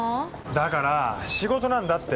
だから仕事なんだって。